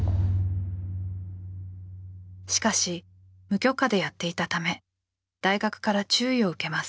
しかし無許可でやっていたため大学から注意を受けます。